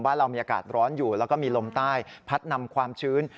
เรามีอากาศร้อนอยู่แล้วก็มีลมใต้พัดนำความชื้น